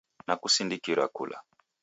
Nakusindikira kula